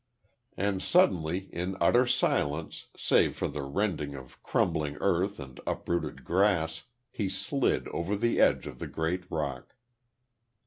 And suddenly, in utter silence save for the rending of crumbling earth and uprooted grass, he slid over the edge of the great rock....